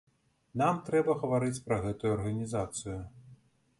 Нам трэба гаварыць пра гэтую арганізацыю.